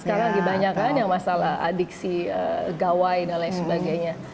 sekarang dibanyakan yang masalah adiksi gawai dan lain sebagainya